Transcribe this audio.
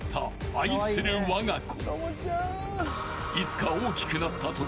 ［愛するわが子］